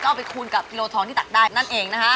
เอาไปคูณกับกิโลทองที่ตักได้นั่นเองนะคะ